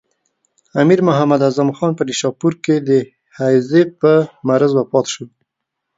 امیر محمد اعظم خان په نیشاپور کې د هیضې په مرض وفات شو.